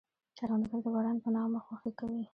کروندګر د باران په نغمه خوښي کوي